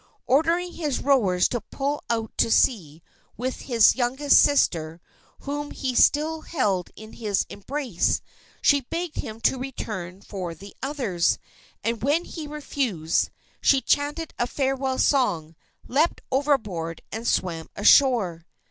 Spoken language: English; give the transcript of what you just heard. Ordering his rowers to pull out to sea with his youngest sister, whom he still held in his embrace, she begged him to return for the others, and when he refused she chanted a farewell song, leaped overboard and swam ashore.